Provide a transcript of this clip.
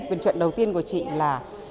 quyển truyện đầu tiên của chị là